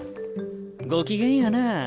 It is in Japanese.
ご機嫌やなぁ。